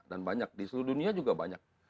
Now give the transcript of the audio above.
dan banyak di seluruh dunia juga banyak